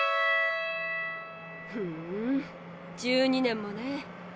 ふん１２年もね。